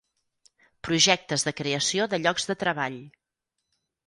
Projectes de creació de llocs de treball.